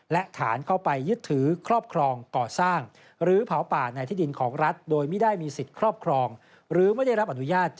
และฐานเข้าไปยึดถือครอบครองก่อสร้างหรือเผาป่าในที่ดินของรัฐ